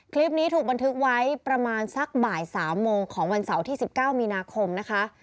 คลิปนี้ถูกบันทึกไว้ประมาณสักบ่าย๓โมงของวันเสาร์ที่๑๙มีนาคมนะคะ